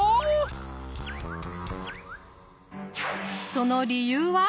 その理由は？